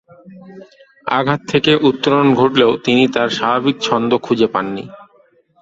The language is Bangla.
আঘাত থেকে উত্তরণ ঘটলেও তিনি আর তার স্বাভাবিক ছন্দ খুঁজে পাননি।